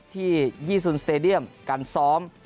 ที่ญี่ปุ่นสเตดียมการซ้อม